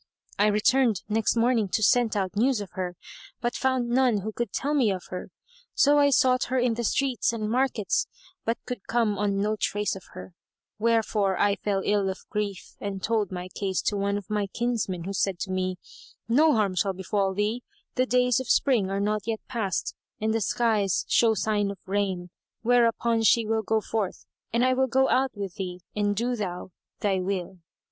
I returned next morning to scent out news of her, but found none who could tell me of her; so I sought her in the streets and markets, but could come on no trace of her; wherefore I fell ill of grief and told my case to one of my kinsmen, who said to me, 'No harm shall befall thee: the days of spring are not yet past and the skies show sign of rain,[FN#175] whereupon she will go forth, and I will go out with thee, and do thou thy will.